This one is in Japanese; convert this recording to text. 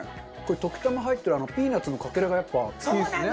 時たま入ってるピーナッツのかけらがやっぱいいですね。